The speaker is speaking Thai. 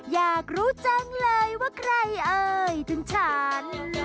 อยากรู้จังเลยว่าใครเอ่ยถึงฉัน